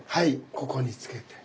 ここにつけて。